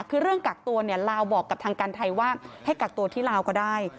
คือเรื่องกักตัวเนี่ยลาวบอกกับทางการไทยว่าให้กักตัวที่ลาวก็ได้